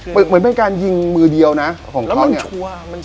เหมือนเป็นการยิงมือเดียวนะของเขาเนี่ย